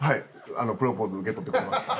プロポーズ受け取ってくれました。